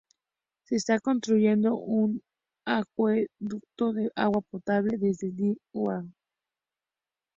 Se está construyendo un acueducto de agua potable desde Dire Dawa.